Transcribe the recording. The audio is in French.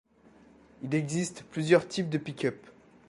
Il existe plusieurs types de pick-up.